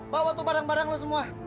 bawa tuh barang barang lo semua